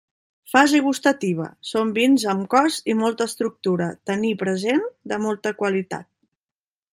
Fase gustativa: són vins amb cos i molta estructura, taní present de molta qualitat.